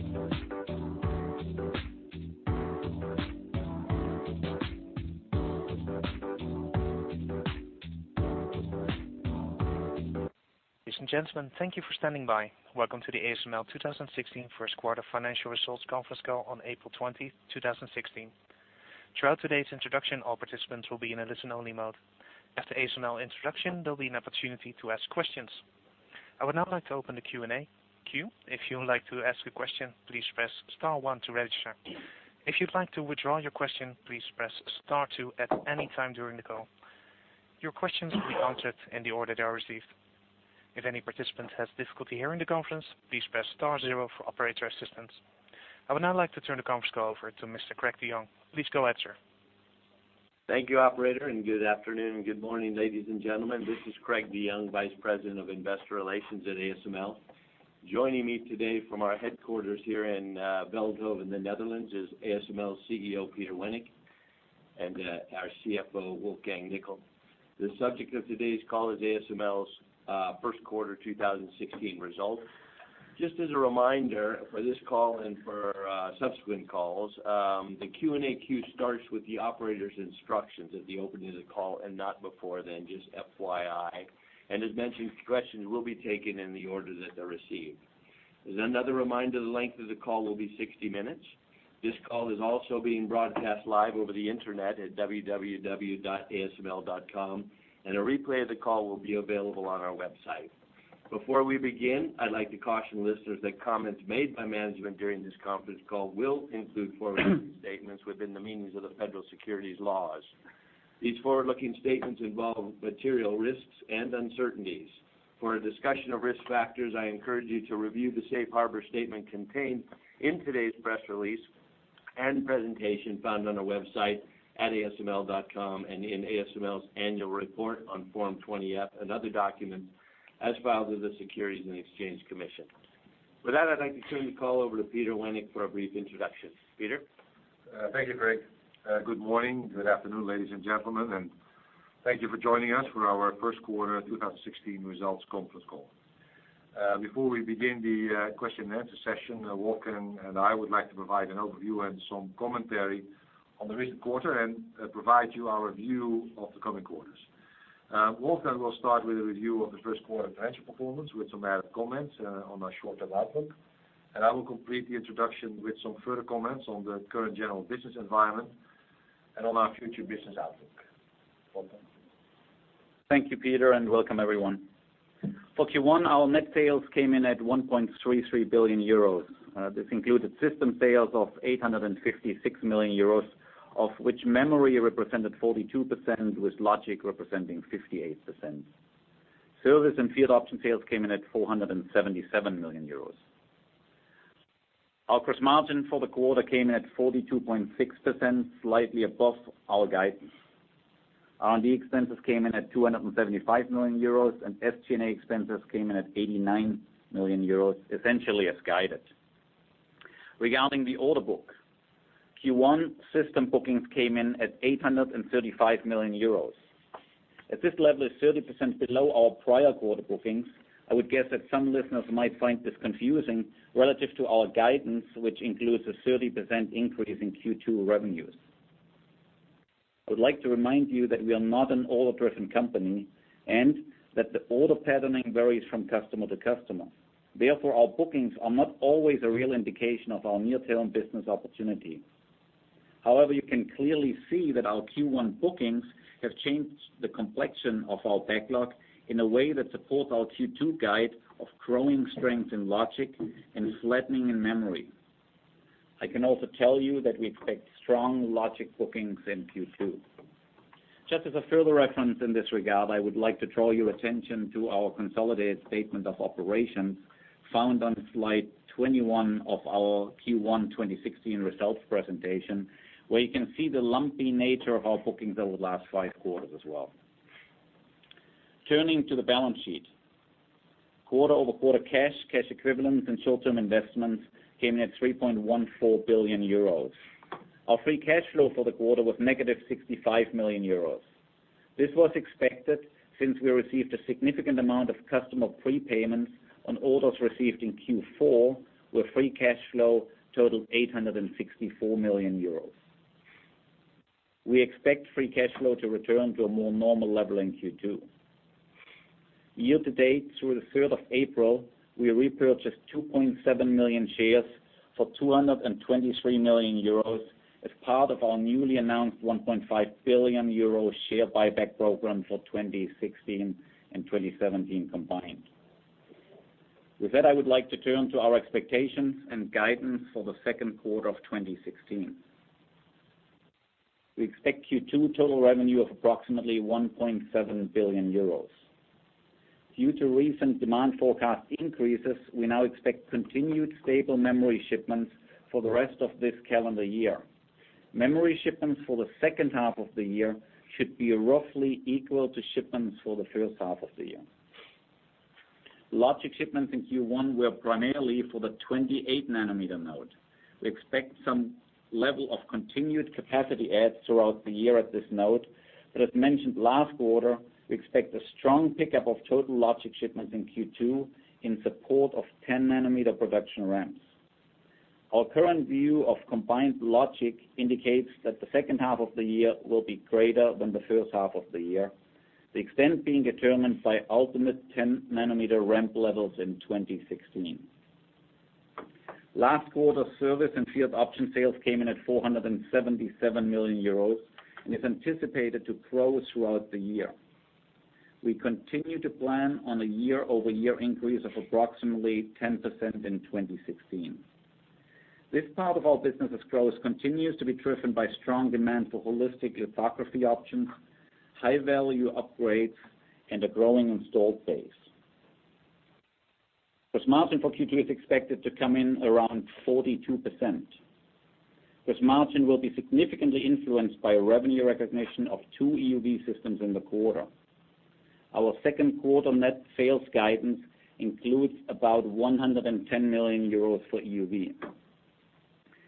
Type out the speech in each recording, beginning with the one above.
Ladies and gentlemen, thank you for standing by. Welcome to the ASML 2016 first quarter financial results conference call on April 20th, 2016. Throughout today's introduction, all participants will be in a listen-only mode. After ASML introduction, there'll be an opportunity to ask questions. I would now like to open the Q&A queue. If you'd like to ask a question, please press star one to register. If you'd like to withdraw your question, please press star two at any time during the call. Your questions will be answered in the order they are received. If any participant has difficulty hearing the conference, please press star zero for operator assistance. I would now like to turn the conference call over to Mr. Craig DeGroof. Please go ahead, sir. Thank you, operator, and good afternoon. Good morning, ladies and gentlemen. This is Craig DeGroof, Vice President of Investor Relations at ASML. Joining me today from our headquarters here in Veldhoven, in the Netherlands, is ASML CEO, Peter Wennink, and our CFO, Wolfgang Nickl. The subject of today's call is ASML's first quarter 2016 result. Just as a reminder for this call and for subsequent calls, the Q&A queue starts with the operator's instructions at the opening of the call and not before then, just FYI. As mentioned, questions will be taken in the order that they're received. As another reminder, the length of the call will be 60 minutes. This call is also being broadcast live over the internet at www.asml.com, and a replay of the call will be available on our website. Before we begin, I'd like to caution listeners that comments made by management during this conference call will include forward-looking statements within the meanings of the federal securities laws. These forward-looking statements involve material risks and uncertainties. For a discussion of risk factors, I encourage you to review the safe harbor statement contained in today's press release and presentation found on our website at asml.com and in ASML's annual report on Form 20-F, and other documents as filed with the Securities and Exchange Commission. With that, I'd like to turn the call over to Peter Wennink for a brief introduction. Peter? Thank you, Craig. Good morning, good afternoon, ladies and gentlemen, and thank you for joining us for our first quarter 2016 results conference call. Before we begin the question and answer session, Wolfgang and I would like to provide an overview and some commentary on the recent quarter and provide you our view of the coming quarters. Wolfgang will start with a review of the first quarter financial performance with some added comments on our shorter outlook, and I will complete the introduction with some further comments on the current general business environment and on our future business outlook. Wolfgang? Thank you, Peter, and welcome everyone. For Q1, our net sales came in at 1.33 billion euros. This included system sales of 856 million euros, of which memory represented 42%, with logic representing 58%. Service and field option sales came in at 477 million euros. Our gross margin for the quarter came in at 42.6%, slightly above our guidance. R&D expenses came in at 275 million euros, and SG&A expenses came in at 89 million euros, essentially as guided. Regarding the order book, Q1 system bookings came in at 835 million euros. As this level is 30% below our prior quarter bookings, I would guess that some listeners might find this confusing relative to our guidance, which includes a 30% increase in Q2 revenues. I would like to remind you that we are not an order-driven company, and that the order patterning varies from customer to customer. Our bookings are not always a real indication of our near-term business opportunity. However, you can clearly see that our Q1 bookings have changed the complexion of our backlog in a way that supports our Q2 guide of growing strength in logic and flattening in memory. I can also tell you that we expect strong logic bookings in Q2. Just as a further reference in this regard, I would like to draw your attention to our consolidated statement of operations found on slide 21 of our Q1 2016 results presentation, where you can see the lumpy nature of our bookings over the last five quarters as well. Turning to the balance sheet. Quarter-over-quarter cash equivalents, and short-term investments came in at 3.14 billion euros. Our free cash flow for the quarter was negative 65 million euros. This was expected since we received a significant amount of customer prepayments on orders received in Q4, where free cash flow totaled 864 million euros. We expect free cash flow to return to a more normal level in Q2. Year to date through the 3rd of April, we repurchased 2.7 million shares for 223 million euros as part of our newly announced 1.5 billion euro share buyback program for 2016 and 2017 combined. With that, I would like to turn to our expectations and guidance for the second quarter of 2016. We expect Q2 total revenue of approximately 1.7 billion euros. Due to recent demand forecast increases, we now expect continued stable memory shipments for the rest of this calendar year. Memory shipments for the second half of the year should be roughly equal to shipments for the first half of the year. Logic shipments in Q1 were primarily for the 28 nanometer node. We expect some level of continued capacity adds throughout the year at this node, as mentioned last quarter, we expect a strong pickup of total logic shipments in Q2 in support of 10 nanometer production ramps. Our current view of combined logic indicates that the second half of the year will be greater than the first half of the year. The extent being determined by ultimate 10 nanometer ramp levels in 2016. Last quarter service and field option sales came in at 477 million euros and is anticipated to grow throughout the year. We continue to plan on a year-over-year increase of approximately 10% in 2016. This part of our business's growth continues to be driven by strong demand for Holistic Lithography options, high-value upgrades, and a growing installed base. Gross margin for Q2 is expected to come in around 42%. Gross margin will be significantly influenced by revenue recognition of two EUV systems in the quarter. Our second quarter net sales guidance includes about 110 million euros for EUV.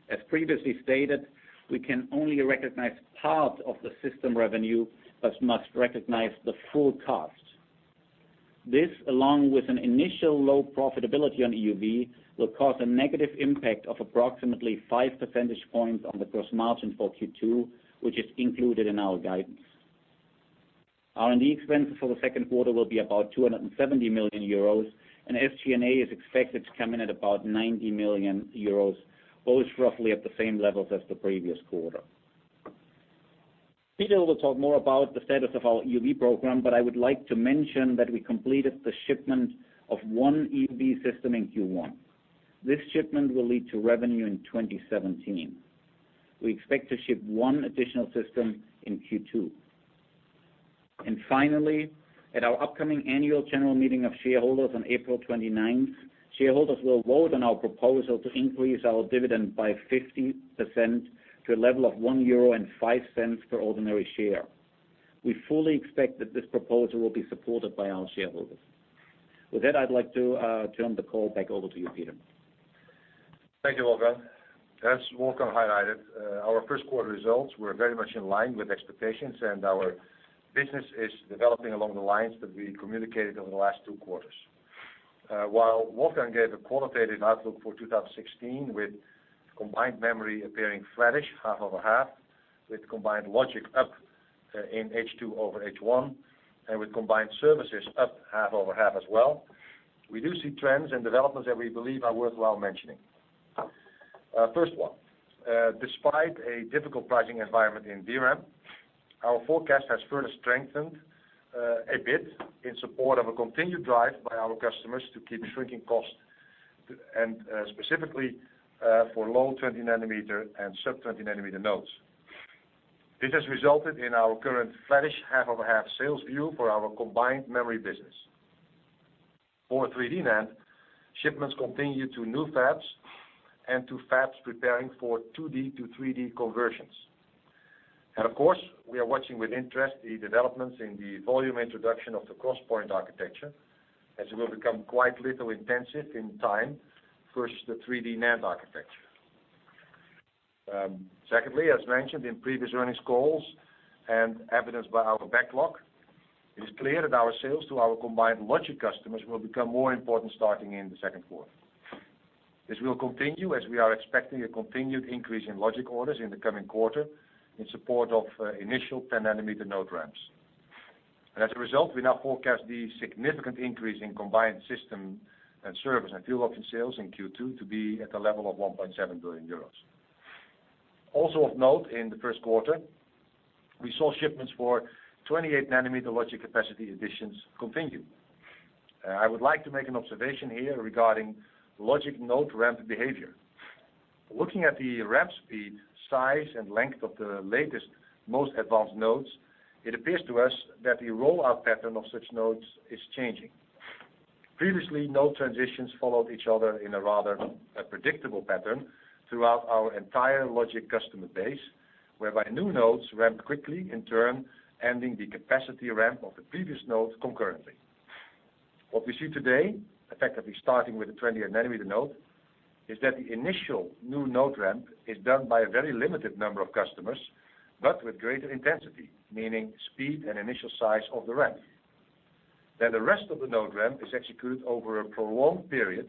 As previously stated, we can only recognize part of the system revenue, but must recognize the full cost. This, along with an initial low profitability on EUV, will cause a negative impact of approximately five percentage points on the gross margin for Q2, which is included in our guidance. R&D expenses for the second quarter will be about 270 million euros, and SG&A is expected to come in at about 90 million euros, both roughly at the same levels as the previous quarter. Peter will talk more about the status of our EUV program, but I would like to mention that we completed the shipment of one EUV system in Q1. This shipment will lead to revenue in 2017. We expect to ship one additional system in Q2. Finally, at our upcoming annual general meeting of shareholders on April 29th, shareholders will vote on our proposal to increase our dividend by 50% to a level of 1.05 euro per ordinary share. We fully expect that this proposal will be supported by our shareholders. With that, I'd like to turn the call back over to you, Peter. Thank you, Wolfgang. As Wolfgang highlighted, our first quarter results were very much in line with expectations and our business is developing along the lines that we communicated over the last two quarters. While Wolfgang gave a qualitative outlook for 2016 with combined memory appearing flattish half over half, with combined logic up in H2 over H1, and with combined services up half over half as well. We do see trends and developments that we believe are worthwhile mentioning. First one, despite a difficult pricing environment in DRAM, our forecast has further strengthened a bit in support of a continued drive by our customers to keep shrinking cost and specifically, for low 20 nanometer and sub 20 nanometer nodes. This has resulted in our current flattish half over half sales view for our combined memory business. For 3D NAND, shipments continue to new fabs and to fabs preparing for 2D to 3D conversions. Of course, we are watching with interest the developments in the volume introduction of the 3D XPoint architecture, as it will become quite litho intensive in time, push the 3D NAND architecture. Secondly, as mentioned in previous earnings calls and evidenced by our backlog, it is clear that our sales to our combined logic customers will become more important starting in the second quarter. This will continue as we are expecting a continued increase in logic orders in the coming quarter in support of initial 10 nanometer node ramps. As a result, we now forecast the significant increase in combined system and service and field option sales in Q2 to be at the level of 1.7 billion euros. Also of note in the first quarter, we saw shipments for 28 nanometer logic capacity additions continue. I would like to make an observation here regarding logic node ramp behavior. Looking at the ramp speed, size, and length of the latest, most advanced nodes, it appears to us that the rollout pattern of such nodes is changing. Previously, node transitions followed each other in a rather predictable pattern throughout our entire logic customer base, whereby new nodes ramp quickly, in turn, ending the capacity ramp of the previous nodes concurrently. What we see today, effectively starting with the 20 nanometer node, is that the initial new node ramp is done by a very limited number of customers, but with greater intensity, meaning speed and initial size of the ramp. The rest of the node ramp is executed over a prolonged period,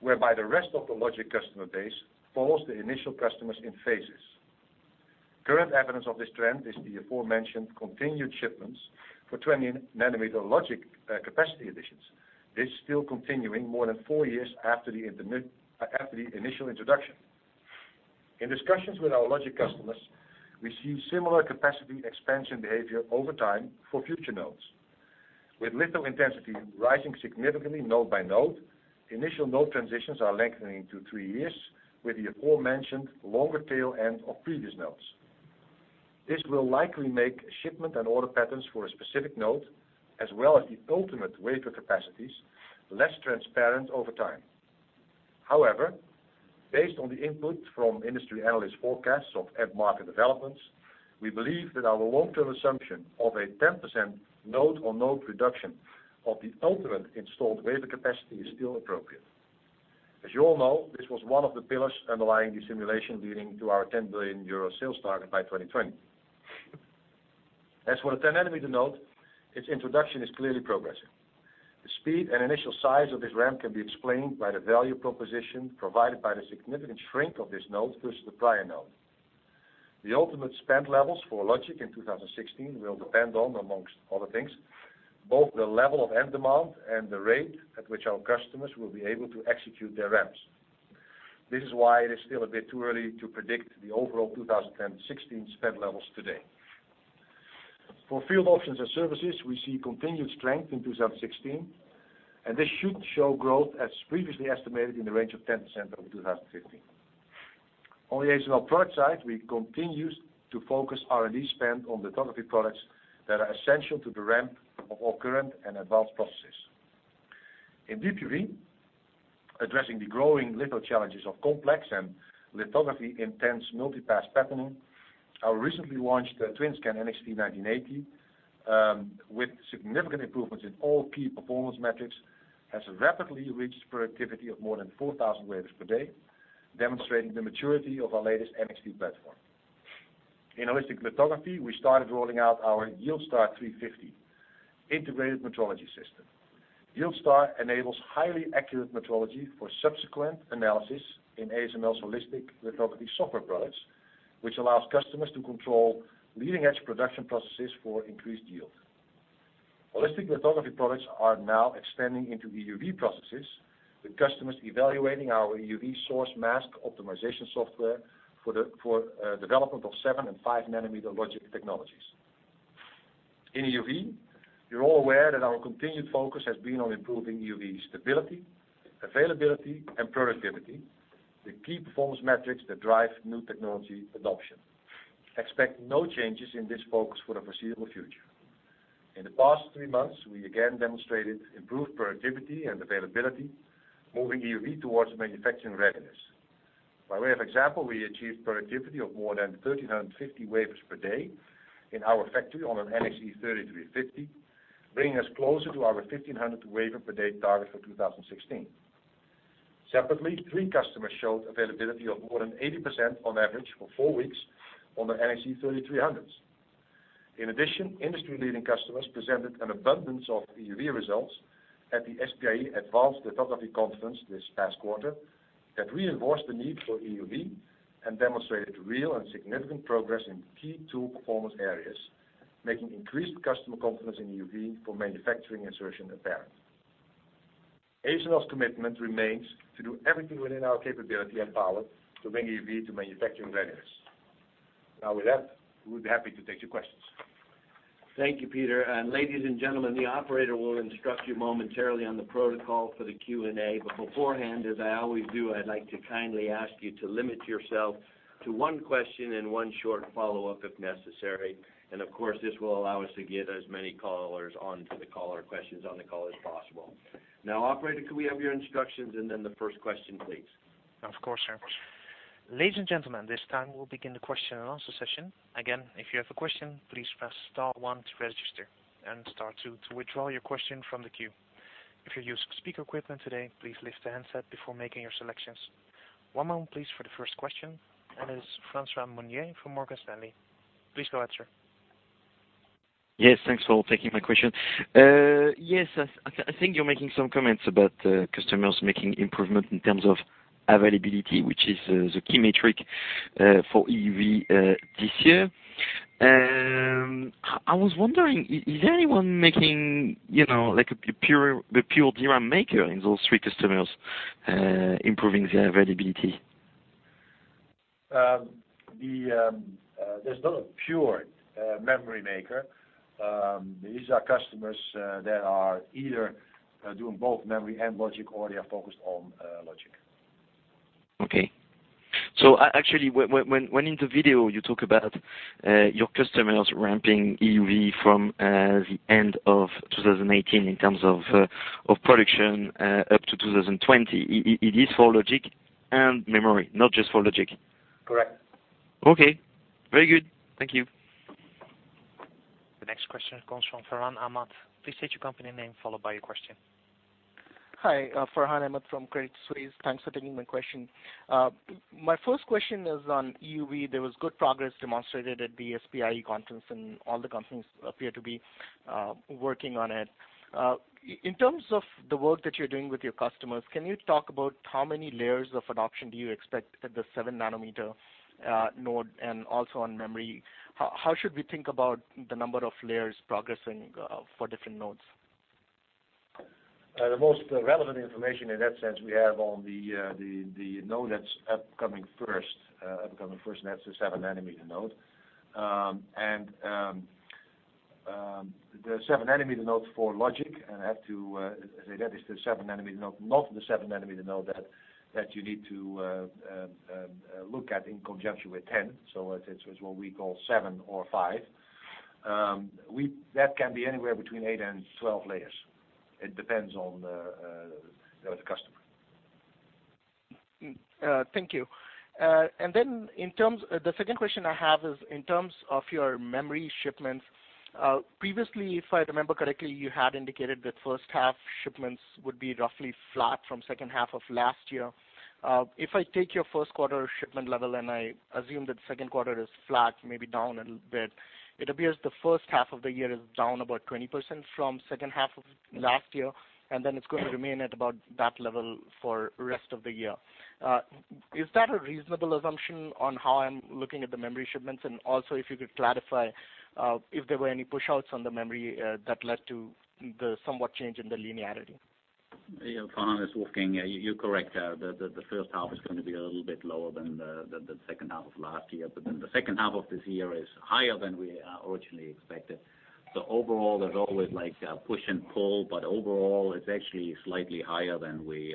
whereby the rest of the logic customer base follows the initial customers in phases. Current evidence of this trend is the aforementioned continued shipments for 20 nanometer logic capacity additions. This still continuing more than 4 years after the initial introduction. In discussions with our logic customers, we see similar capacity expansion behavior over time for future nodes. With litho intensity rising significantly node by node, initial node transitions are lengthening to 3 years, with the aforementioned longer tail end of previous nodes. This will likely make shipment and order patterns for a specific node, as well as the ultimate wafer capacities, less transparent over time. However, based on the input from industry analyst forecasts of end market developments, we believe that our long-term assumption of a 10% node-on-node reduction of the ultimate installed wafer capacity is still appropriate. As you all know, this was one of the pillars underlying the simulation leading to our 10 billion euro sales target by 2020. As for the 10 nanometer node, its introduction is clearly progressing. The speed and initial size of this ramp can be explained by the value proposition provided by the significant shrink of this node versus the prior node. The ultimate spend levels for logic in 2016 will depend on, amongst other things, both the level of end demand and the rate at which our customers will be able to execute their ramps. This is why it is still a bit too early to predict the overall 2016 spend levels today. For field options and services, we see continued strength in 2016. This should show growth as previously estimated in the range of 10% over 2015. On the ASML product side, we continued to focus R&D spend on the lithography products that are essential to the ramp of all current and advanced processes. In DUV, addressing the growing litho challenges of complex and lithography intense multi-pass patterning, our recently launched TWINSCAN NXT:1980Di, with significant improvements in all key performance metrics, has rapidly reached productivity of more than 4,000 wafers per day, demonstrating the maturity of our latest NXT platform. In Holistic Lithography, we started rolling out our YieldStar 350E integrated metrology system. YieldStar enables highly accurate metrology for subsequent analysis in ASML's Holistic Lithography software products, which allows customers to control leading-edge production processes for increased yield. Holistic Lithography products are now extending into EUV processes, with customers evaluating our EUV source mask optimization software for development of seven and five nanometer logic technologies. In EUV, you're all aware that our continued focus has been on improving EUV stability, availability, and productivity, the key performance metrics that drive new technology adoption. Expect no changes in this focus for the foreseeable future. In the past three months, we again demonstrated improved productivity and availability, moving EUV towards manufacturing readiness. By way of example, we achieved productivity of more than 1,350 wafers per day in our factory on an NXE:3350, bringing us closer to our 1,500 wafer per day target for 2016. Separately, three customers showed availability of more than 80% on average for four weeks on the NXE:3300s. Industry-leading customers presented an abundance of EUV results at the SPIE Advanced Lithography Conference this past quarter that reinforced the need for EUV and demonstrated real and significant progress in key tool performance areas, making increased customer confidence in EUV for manufacturing insertion apparent. ASML's commitment remains to do everything within our capability and power to bring EUV to manufacturing readiness. With that, we would be happy to take your questions. Thank you, Peter. Ladies and gentlemen, the operator will instruct you momentarily on the protocol for the Q&A. Beforehand, as I always do, I'd like to kindly ask you to limit yourself to one question and one short follow-up if necessary. Of course, this will allow us to get as many callers on to the caller questions on the call as possible. Operator, could we have your instructions and then the first question, please? Of course, sir. Ladies and gentlemen, this time we'll begin the question and answer session. Again, if you have a question, please press star one to register and star two to withdraw your question from the queue. If you're using speaker equipment today, please lift the handset before making your selections. One moment please for the first question, it is François Meunier from Morgan Stanley. Please go ahead, sir. Yes, thanks for taking my question. Yes, I think you're making some comments about customers making improvement in terms of availability, which is the key metric for EUV this year. I was wondering, is anyone making, like a pure DRAM maker in those three customers, improving the availability? There's no pure memory maker. These are customers that are either doing both memory and logic, or they are focused on logic. Okay. Actually, when in the video you talk about your customers ramping EUV from the end of 2018 in terms of production up to 2020, it is for logic and memory, not just for logic. Correct. Okay. Very good. Thank you. The next question comes from Farhan Ahmad. Please state your company name, followed by your question. Hi, Farhan Ahmad from Credit Suisse. Thanks for taking my question. My first question is on EUV. There was good progress demonstrated at the SPIE conference, and all the companies appear to be working on it. In terms of the work that you're doing with your customers, can you talk about how many layers of adoption do you expect at the seven nanometer node and also on memory? How should we think about the number of layers progressing for different nodes? The most relevant information in that sense we have on the node that's upcoming first, that's the seven-nanometer node. The seven-nanometer node for logic, and I have to say that is the seven-nanometer node, not the seven-nanometer node that you need to look at in conjunction with 10. It's what we call seven or five. That can be anywhere between eight and 12 layers. It depends on the customer Thank you. The second question I have is in terms of your memory shipments. Previously, if I remember correctly, you had indicated that first half shipments would be roughly flat from second half of last year. If I take your first quarter shipment level and I assume that second quarter is flat, maybe down a little bit, it appears the first half of the year is down about 20% from second half of last year, it's going to remain at about that level for rest of the year. Is that a reasonable assumption on how I'm looking at the memory shipments? Also if you could clarify, if there were any push outs on the memory, that led to the somewhat change in the linearity. For Wolfgang, you're correct. The first half is going to be a little bit lower than the second half of last year, the second half of this year is higher than we originally expected. Overall, there's always like a push and pull, it's actually slightly higher than we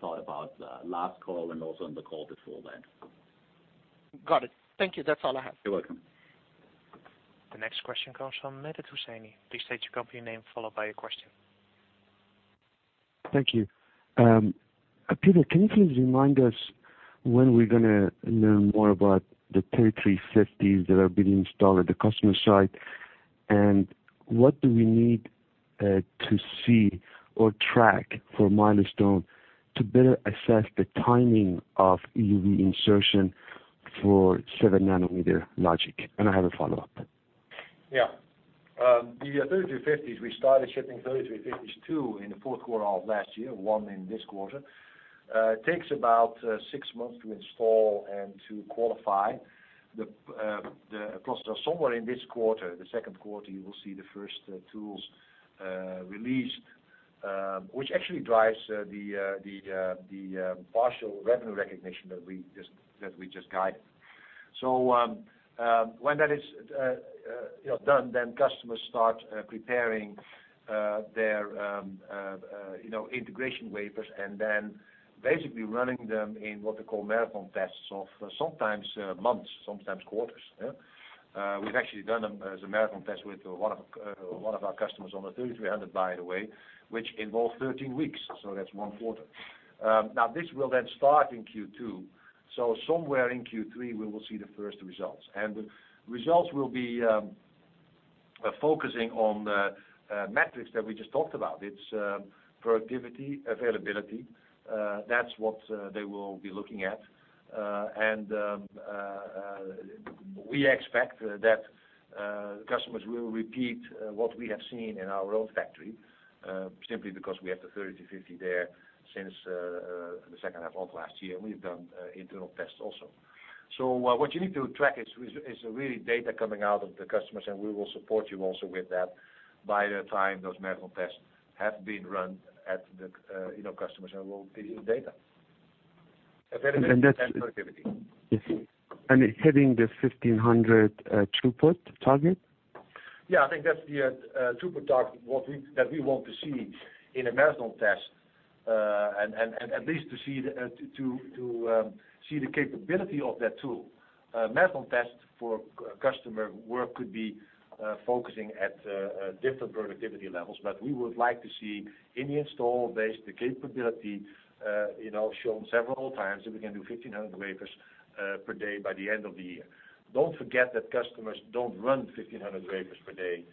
thought about last call and also on the call before that. Got it. Thank you. That's all I have. You're welcome. The next question comes from Mehdi Hosseini. Please state your company name followed by your question. Thank you. Peter, can you please remind us when we're going to learn more about the 3350s that are being installed at the customer site? What do we need to see or track for milestone to better assess the timing of EUV insertion for 7 nm logic? I have a follow-up. The 3350s, we started shipping 3350s 2 in Q4 of last year, 1 in this quarter. It takes about 6 months to install and to qualify the cluster. Somewhere in this quarter, Q2, you will see the first tools released, which actually drives the partial revenue recognition that we just guided. When that is done, customers start preparing their integration wafers and basically running them in what they call marathon tests of sometimes months, sometimes quarters. We've actually done the marathon test with one of our customers on the 3300, by the way, which involved 13 weeks. That's 1 quarter. This will start in Q2. Somewhere in Q3 we will see the first results. The results will be focusing on the metrics that we just talked about. It's productivity, availability. That's what they will be looking at. We expect that customers will repeat what we have seen in our own factory, simply because we have the 3350 there since the 2nd half of last year. We've done internal tests also. What you need to track is really data coming out of the customers, and we will support you also with that by the time those marathon tests have been run at the customers and we'll give you the data. Availability and productivity. Yes. It's hitting the 1,500 throughput target? I think that's the throughput target that we want to see in a marathon test. At least to see the capability of that tool. Marathon test for customer work could be focusing at different productivity levels, but we would like to see in the install base, the capability shown several times that we can do 1,500 wafers per day by the end of the year. Don't forget that customers don't run 1,500 wafers per day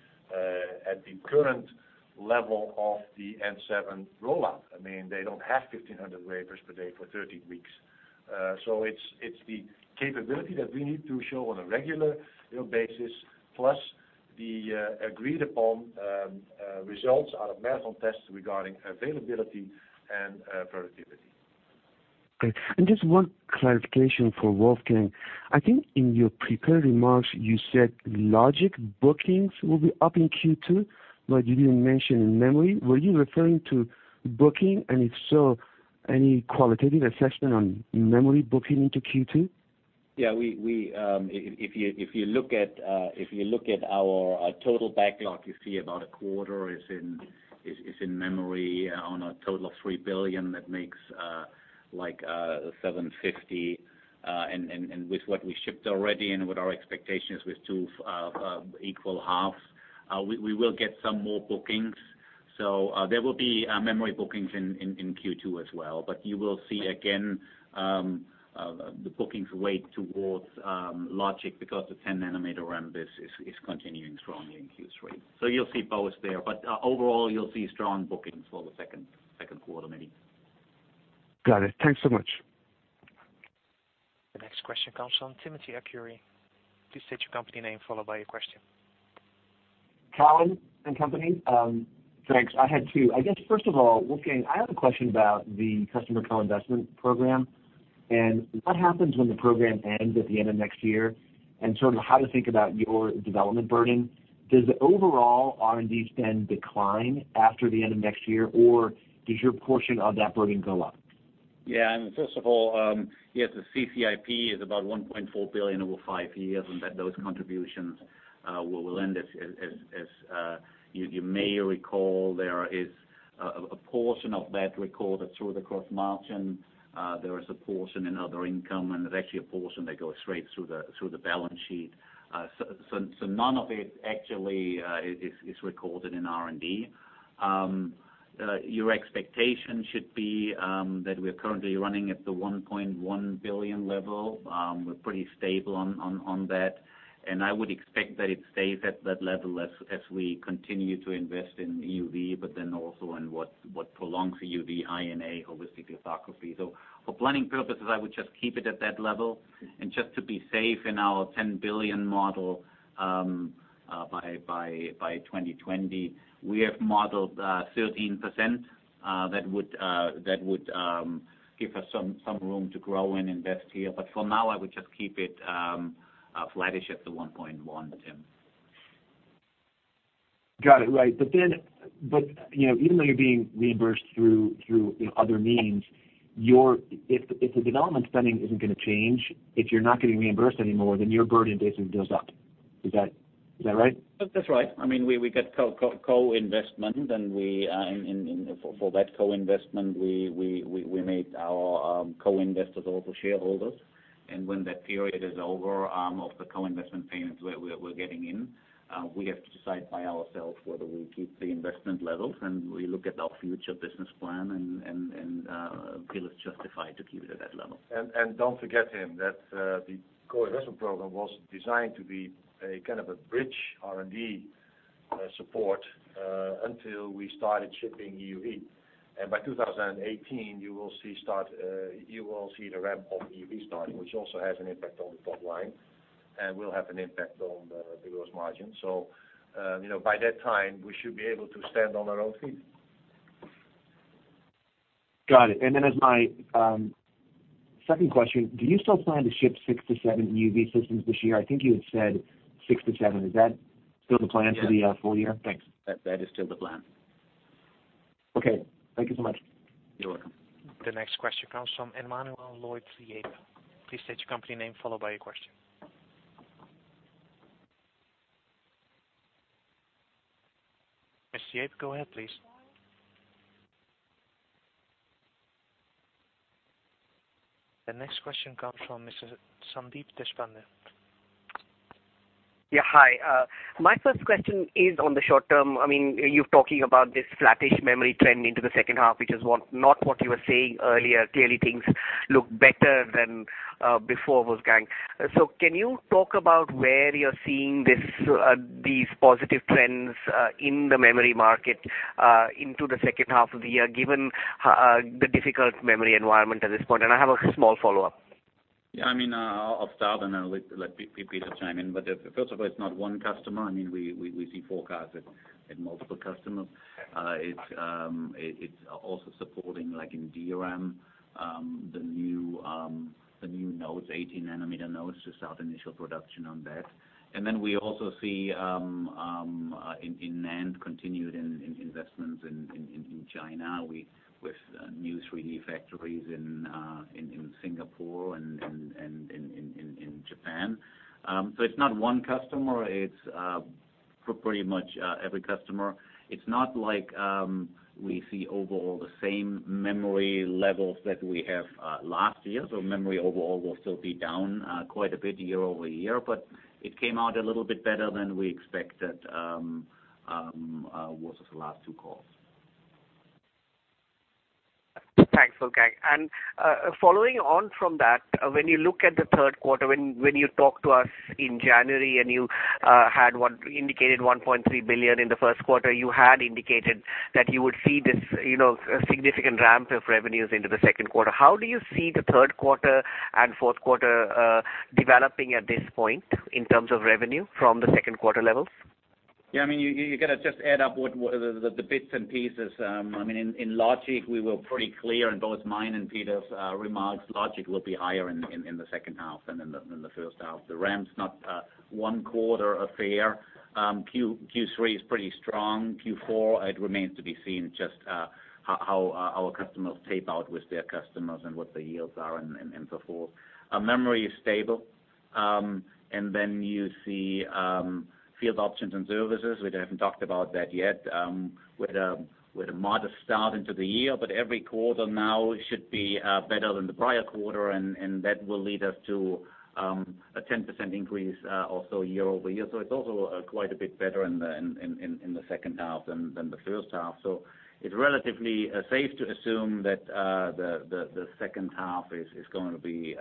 at the current level of the 7 nm rollout. They don't have 1,500 wafers per day for 13 weeks. It's the capability that we need to show on a regular basis plus the agreed-upon results out of marathon tests regarding availability and productivity. Just one clarification for Wolfgang. I think in your prepared remarks, you said logic bookings will be up in Q2, but you didn't mention memory. Were you referring to booking? If so, any qualitative assessment on memory booking into Q2? If you look at our total backlog, you see about a quarter is in memory on a total of 3 billion. That makes like 750. With what we shipped already and with our expectations with two equal halves, we will get some more bookings. There will be memory bookings in Q2 as well. You will see again, the bookings weight towards logic because the 10 nanometer ramp is continuing strongly in Q3. You'll see both there, but overall you'll see strong bookings for the second quarter, Mehdi. Got it. Thanks so much. The next question comes from Timothy Arcuri. Please state your company name followed by your question. Cowen and Company. Thanks. I had two. I guess first of all, Wolfgang, I have a question about the customer co-investment program, and what happens when the program ends at the end of next year, and sort of how to think about your development burden. Does the overall R&D spend decline after the end of next year, or does your portion of that burden go up? Yeah. First of all, yes, the CCIP is about $1.4 billion over five years, and those contributions will end. As you may recall, there is a portion of that recorded through the gross margin. There is a portion in other income, and there is actually a portion that goes straight through the balance sheet. None of it actually is recorded in R&D. Your expectation should be that we are currently running at the 1.1 billion level. We are pretty stable on that, and I would expect that it stays at that level as we continue to invest in EUV, but then also in what prolongs EUV, High NA, Holistic Lithography. For planning purposes, I would just keep it at that level. Just to be safe in our 10 billion model, by 2020, we have modeled 13% that would give us some room to grow and invest here. For now, I would just keep it flattish at the 1.1, Tim. Got it. Right. Even though you're being reimbursed through other means, if the development spending isn't going to change, if you're not getting reimbursed anymore, then your burden basically builds up. Is that right? That's right. We get co-investment, for that co-investment, we made our co-investors also shareholders. When that period is over of the co-investment payments we're getting in, we have to decide by ourselves whether we keep the investment levels, we look at our future business plan and feel it's justified to keep it at that level. Don't forget, Tim, that the co-investment program was designed to be a kind of a bridge R&D support, until we started shipping EUV. By 2018, you will see the ramp of EUV starting, which also has an impact on the bottom line and will have an impact on the gross margin. By that time, we should be able to stand on our own feet. Got it. As my second question, do you still plan to ship six to seven EUV systems this year? I think you had said six to seven. Is that still the plan for the full year? Thanks. That is still the plan. Okay. Thank you so much. You're welcome. The next question comes from C.J. Muse. Please state your company name, followed by your question. Mr. Siche, go ahead, please. The next question comes from Mr. Sandeep Deshpande. Yeah. Hi. My first question is on the short term, you're talking about this flattish memory trend into the second half, which is not what you were saying earlier. Clearly, things look better than before, Wolfgang. Can you talk about where you're seeing these positive trends in the memory market into the second half of the year, given the difficult memory environment at this point? I have a small follow-up. Yeah, I'll start and then let Peter chime in. First of all, it's not one customer. We see forecasts at multiple customers. It's also supporting, like in DRAM, the new 18 nanometer nodes to start initial production on that. Then we also see in NAND, continued investments in China with new 3D factories in Singapore and in Japan. It's not one customer, it's for pretty much every customer. It's not like we see overall the same memory levels that we have last year. Memory overall will still be down quite a bit year-over-year, but it came out a little bit better than we expected versus the last two calls. Thanks, Wolfgang. Following on from that, when you look at the third quarter, when you talked to us in January, you had indicated 1.3 billion in the first quarter, you had indicated that you would see this significant ramp of revenues into the second quarter. How do you see the third quarter and fourth quarter developing at this point in terms of revenue from the second quarter levels? Yeah, you got to just add up the bits and pieces. In logic, we were pretty clear in both mine and Peter's remarks, logic will be higher in the second half than in the first half. The ramp's not one quarter affair. Q3 is pretty strong. Q4, it remains to be seen just how our customers tape out with their customers and what the yields are and so forth. Memory is stable. Then you see field options and services. We haven't talked about that yet, with a modest start into the year, but every quarter now should be better than the prior quarter, and that will lead us to a 10% increase also year-over-year. It's also quite a bit better in the second half than the first half. It's relatively safe to assume that the second half is going to be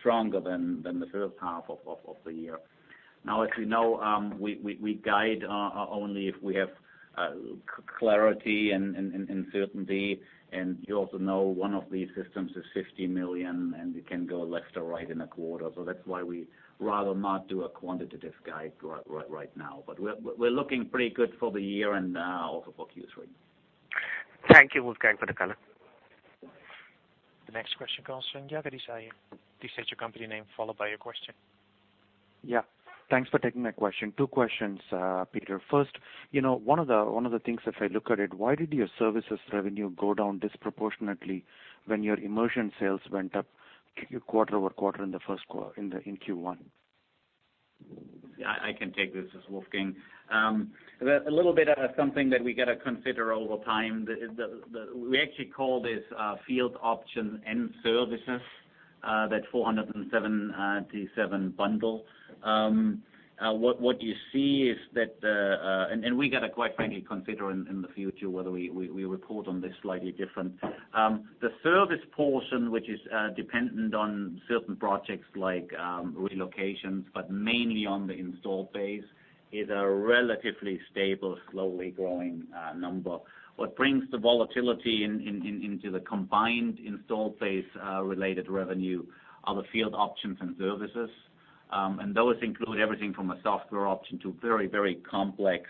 stronger than the first half of the year. As you know, we guide only if we have clarity and certainty, and you also know one of these systems is 50 million, and it can go left or right in a quarter. That's why we rather not do a quantitative guide right now. We're looking pretty good for the year and also for Q3. Thank you, Wolfgang, for the color. The next question comes from Jagadish Iyer. Please state your company name followed by your question. Yeah. Thanks for taking my question. Two questions, Peter. First, one of the things if I look at it, why did your services revenue go down disproportionately when your immersion sales went up quarter-over-quarter in Q1? I can take this. This is Wolfgang. A little bit of something that we got to consider over time. We actually call this field option and services. That 477 bundle. What you see is that, and we got to quite frankly consider in the future whether we report on this slightly different. The service portion, which is dependent on certain projects like relocations, but mainly on the installed base, is a relatively stable, slowly growing number. What brings the volatility into the combined installed base related revenue are the field options and services. Those include everything from a software option to very, very complex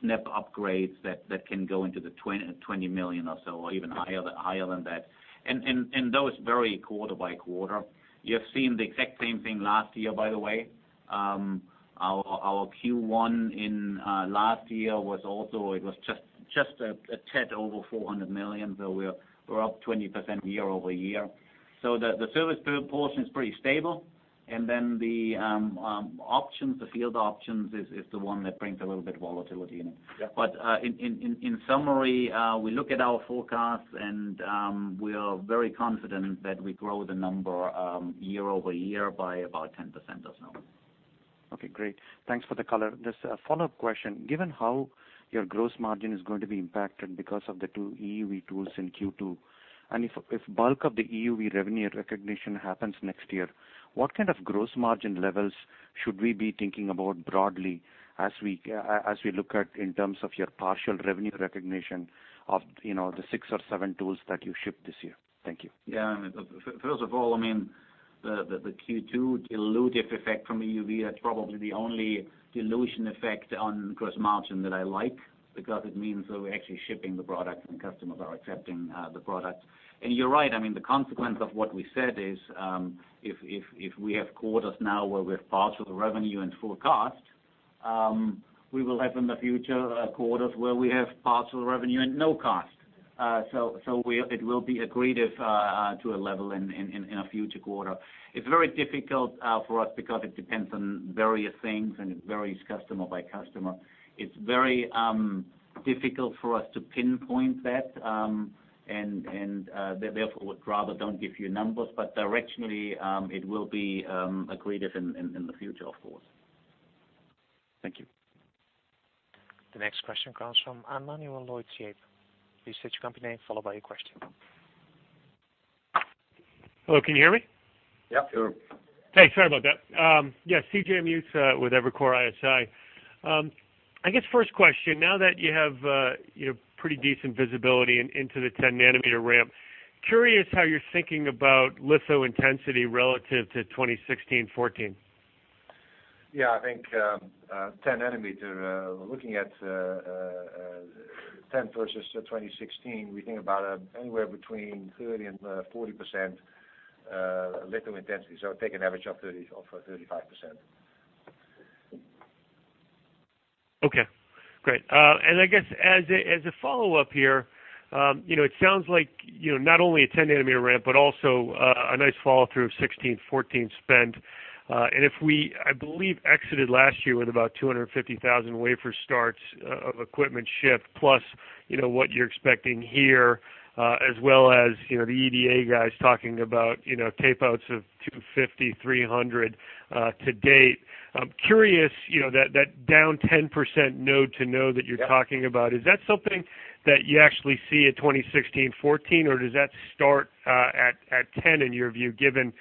SNAP upgrades that can go into the 20 million or so, or even higher than that. Those vary quarter by quarter. You have seen the exact same thing last year, by the way. Our Q1 in last year was also, it was just a tad over 400 million, so we're up 20% year-over-year. The service portion is pretty stable, then the options, the field options is the one that brings a little bit of volatility in. Yeah. In summary, we look at our forecast and we are very confident that we grow the number year-over-year by about 10% or so. Okay, great. Thanks for the color. Just a follow-up question. Given how your gross margin is going to be impacted because of the two EUV tools in Q2, and if bulk of the EUV revenue recognition happens next year, what kind of gross margin levels should we be thinking about broadly as we look at in terms of your partial revenue recognition of the six or seven tools that you ship this year? Thank you. Yeah. First of all, the Q2 dilutive effect from EUV, that's probably the only dilution effect on gross margin that I like because it means that we're actually shipping the product and customers are accepting the product. You're right, the consequence of what we said is, if we have quarters now where we have partial revenue and full cost, we will have in the future, quarters where we have partial revenue and no cost. It will be accretive to a level in a future quarter. It's very difficult for us because it depends on various things, and it varies customer by customer. It's very difficult for us to pinpoint that, and therefore, would rather don't give you numbers. Directionally, it will be accretive in the future of course. Thank you. The next question comes from Emmanuel Siche. Please state your company name followed by your question. Hello, can you hear me? Yeah. Sure. Hey, sorry about that. Yeah, C.J. Muse with Evercore ISI. I guess first question, now that you have your pretty decent visibility into the 10 nanometer ramp, curious how you're thinking about litho intensity relative to 16/14. Yeah, I think, 10 nanometer, looking at 10 versus 16 nanometer, we think about anywhere between 30%-40% litho intensity. So take an average of 35%. Okay, great. I guess as a follow-up here, it sounds like, not only a 10 nanometer ramp, but also a nice follow-through of 16/14 spend. If we, I believe, exited last year with about 250,000 wafer starts of equipment shipped, plus what you're expecting here, as well as the EDA guys talking about tape outs of 250, 300 to date. I'm curious, that down 10% node to node that you're talking about, is that something that you actually see at 16/14, or does that start at 10 in your view, given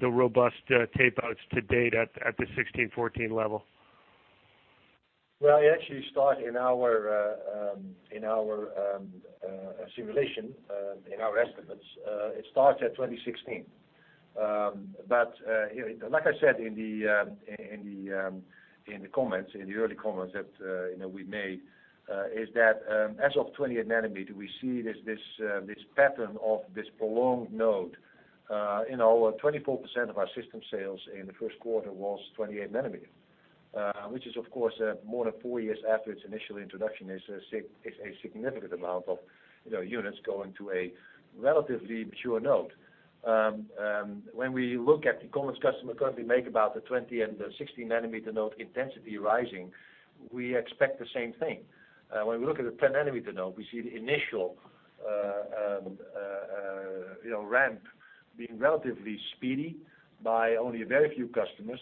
the robust tape outs to date at the 16/14 level? Well, it actually start in our simulation, in our estimates, it starts at 16 nanometer. Like I said in the early comments that we made, is that, as of 28 nanometer, we see this pattern of this prolonged node. In our 24% of our system sales in the first quarter was 28 nanometer, which is of course, more than four years after its initial introduction is a significant amount of units going to a relatively mature node. When we look at the comments customer currently make about the 20 nm and the 16 nanometer node intensity rising, we expect the same thing. When we look at the 10 nanometer node, we see the initial ramp being relatively speedy by only a very few customers.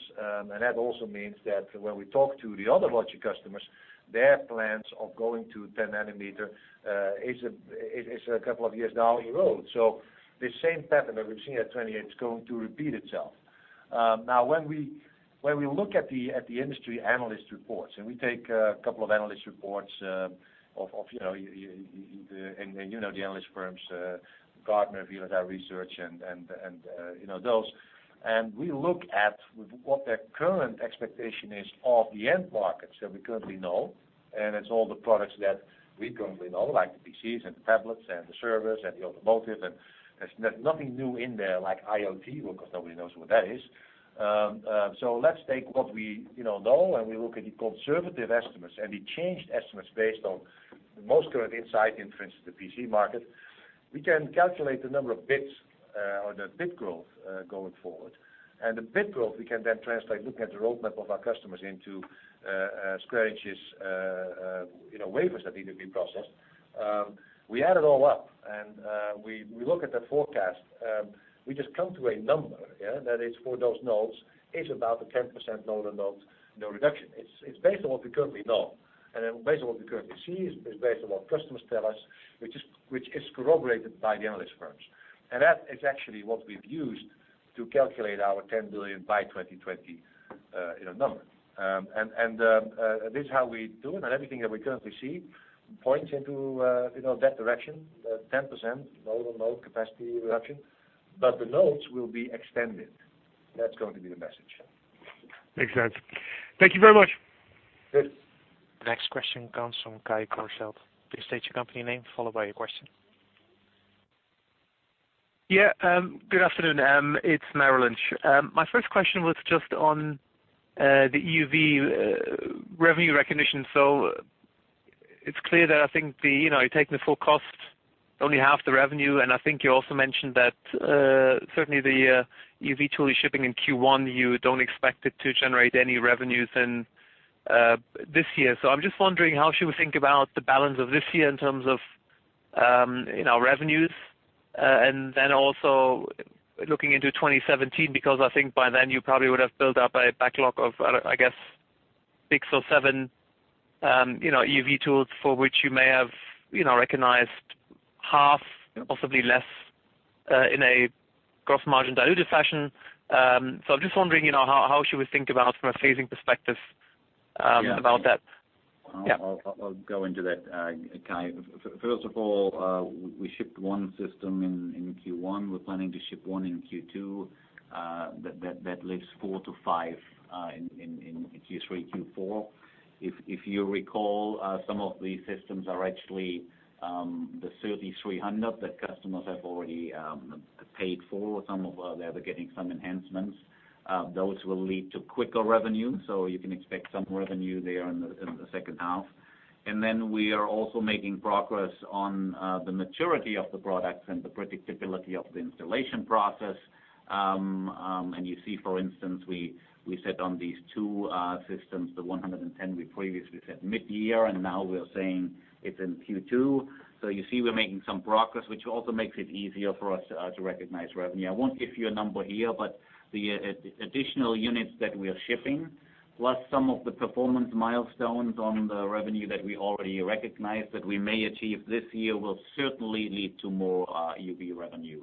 That also means that when we talk to the other logic customers, their plans of going to 10 nanometer is a couple of years down the road. The same pattern that we've seen at 28 is going to repeat itself. When we look at the industry analyst reports, we take a couple of analyst reports, and you know the analyst firms, Gartner, VLSI Research and those. We look at what their current expectation is of the end markets that we currently know, and it's all the products that we currently know, like the PCs and the tablets and the servers and the automotive. There's nothing new in there like IoT, because nobody knows what that is. Let's take what we know and we look at the conservative estimates and the changed estimates based on the most current insight in, for instance, the PC market. We can calculate the number of bits, or the bit growth, going forward. The bit growth we can then translate, look at the roadmap of our customers into square inches, wafers that need to be processed. We add it all up and we look at the forecast. We just come to a number, that is for those nodes, is about a 10% node reduction. It's based on what we currently know and then based on what we currently see, is based on what customers tell us, which is corroborated by the analyst firms. That is actually what we've used to calculate our 10 billion by 2020 in a number. This is how we do it, and everything that we currently see points into that direction, 10% load on node capacity reduction, but the nodes will be extended. That's going to be the message. Makes sense. Thank you very much. Good. The next question comes from Kai Korschelt. Please state your company name, followed by your question. Good afternoon. It's Merrill Lynch. My first question was just on the EUV revenue recognition. It's clear that I think you're taking the full cost, only half the revenue, and I think you also mentioned that certainly the EUV tool you're shipping in Q1, you don't expect it to generate any revenues in this year. I'm just wondering how should we think about the balance of this year in terms of revenues? Also looking into 2017, because I think by then you probably would have built up a backlog of, I guess, six or seven EUV tools for which you may have recognized half, possibly less, in a gross margin diluted fashion. I'm just wondering, how should we think about from a phasing perspective about that? Yeah. Yeah. I'll go into that, Kai. First of all, we shipped one system in Q1. We're planning to ship one in Q2. That leaves four to five in Q3, Q4. If you recall, some of these systems are actually the NXE:3300 that customers have already paid for. Some of them are getting some enhancements. Those will lead to quicker revenue, so you can expect some revenue there in the second half. We are also making progress on the maturity of the products and the predictability of the installation process. You see, for instance, we said on these two systems, the 110 we previously said mid-year, and now we're saying it's in Q2. You see we're making some progress, which also makes it easier for us to recognize revenue. I won't give you a number here, but the additional units that we are shipping, plus some of the performance milestones on the revenue that we already recognized that we may achieve this year, will certainly lead to more EUV revenue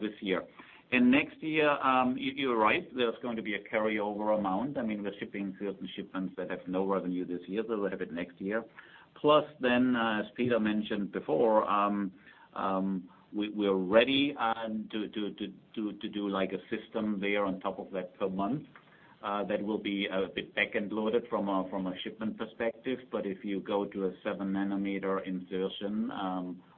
this year. Next year, you're right, there's going to be a carryover amount. I mean, we're shipping certain shipments that have no revenue this year. They will have it next year. As Peter mentioned before, we're ready to do a system there on top of that per month. That will be a bit back-end loaded from a shipment perspective, but if you go to a seven-nanometer insertion,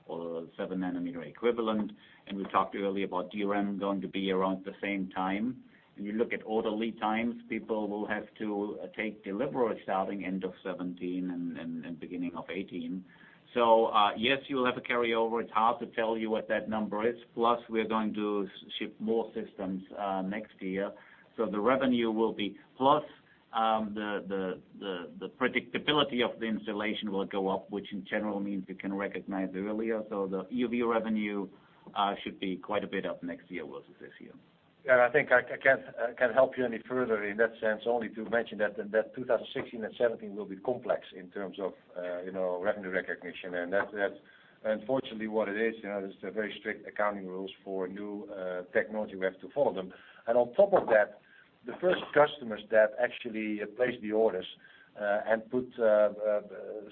or seven-nanometer equivalent, and we talked earlier about DRAM going to be around the same time, and you look at order lead times, people will have to take delivery starting end of 2017 and beginning of 2018. Yes, you will have a carryover. It's hard to tell you what that number is. We're going to ship more systems next year. The revenue will be plus the predictability of the installation will go up, which in general means we can recognize earlier. The EUV revenue should be quite a bit up next year versus this year. I think I can't help you any further in that sense, only to mention that 2016 and 2017 will be complex in terms of revenue recognition. That's unfortunately what it is. There's very strict accounting rules for new technology. We have to follow them. On top of that, the first customers that actually place the orders and put